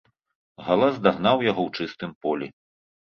Галас дагнаў яго ў чыстым полі.